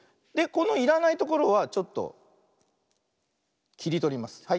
でこのいらないところはちょっときりとります。